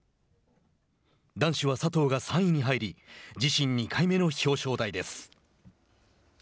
男子は佐藤が３位に入り自身２回目の表彰台です。